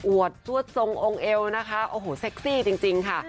วดซวดทรงองค์เอวนะคะโอ้โหเซ็กซี่จริงค่ะ